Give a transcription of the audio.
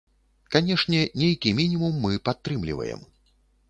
Канешне, нейкі мінімум мы падтрымліваем.